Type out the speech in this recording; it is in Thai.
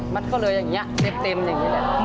มันก็เลยอย่างนี้เต็มอย่างนี้แหละ